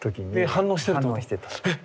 反応してた。